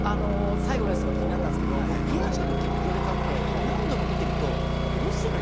最後のやつ、気になったんですけど、家の近くに行列あって何度も見てると、おいしいのかな？